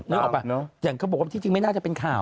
นึกออกป่ะอย่างเขาบอกว่าที่จริงไม่น่าจะเป็นข่าว